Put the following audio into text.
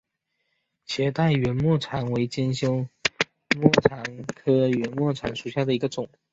斜带圆沫蝉为尖胸沫蝉科圆沫蝉属下的一个种。